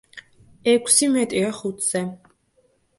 ექვსი მეტია ხუთზე.